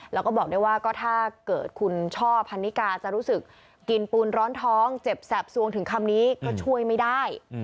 แล้วก็บอกได้ว่าก็ถ้าเกิดคุณช่อพันนิกาจะรู้สึกกินปูนร้อนท้องเจ็บแสบสวงถึงคำนี้ก็ช่วยไม่ได้